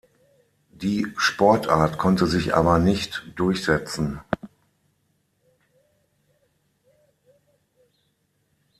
Die Sportart konnte sich aber nicht durchsetzen.